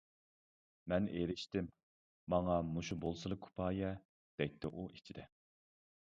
-مەن ئېرىشتىم، ماڭا مۇشۇ بولسىلا كۇپايە، -دەيتتى ئۇ ئىچىدە.